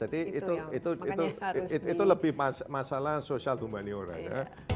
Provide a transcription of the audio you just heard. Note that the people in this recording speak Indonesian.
jadi itu itu itu itu lebih masalah social humaniora ya